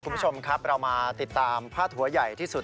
คุณผู้ชมครับเรามาติดตามพาดหัวใหญ่ที่สุด